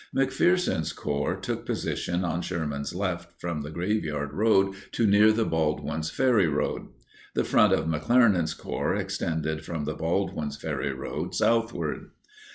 McPherson's Corps took position on Sherman's left from the Graveyard Road to near the Baldwin's Ferry Road; the front of McClernand's Corps extended from the Baldwin's Ferry Road southward.